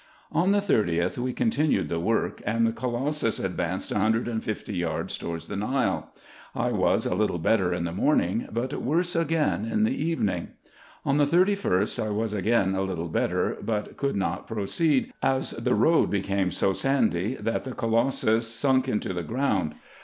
On the 30th we continued the work, and the colossus advanced a hundred and fifty yards towards the Nile. I was a little better in the morning, but worse again in the evening. On the 31st I was again a little better, but could not proceed, as the road became so sandy, that the colossus sunk into the ground.